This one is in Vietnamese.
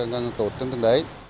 mô hình một cửa một lần dừng